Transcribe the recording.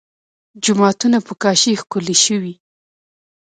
جوماتونه په کاشي ښکلي شوي.